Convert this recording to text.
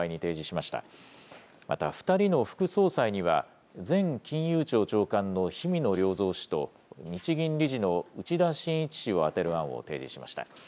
また２人の副総裁には、前金融庁長官の氷見野良三氏と、日銀理事の内田眞一氏をあてる案を提示しました。